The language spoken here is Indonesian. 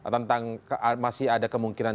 tentang masih ada kemungkinan